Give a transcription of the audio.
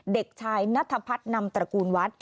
เด็กชายนัทพัฒนนำตระกูลวัด